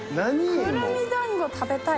くるみだんご食べたい！